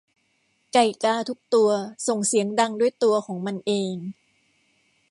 ไก่กาทุกตัวส่งเสียงดังด้วยตัวของมันเอง